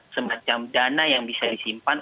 semacam dana yang bisa disimpan